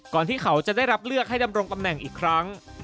ที่เขาจะได้รับเลือกให้ดำรงตำแหน่งอีกครั้ง